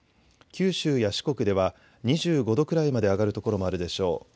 九州や四国では２５度くらいまで上がる所もあるでしょう。